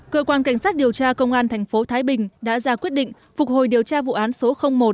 cơ quan cảnh sát điều tra công an thành phố thái bình đã ra quyết định phục hồi điều tra vụ án số một